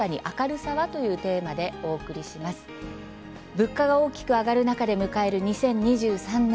物価が大きく上がる中で迎える２０２３年。